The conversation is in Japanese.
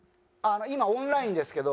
今オンラインですけど。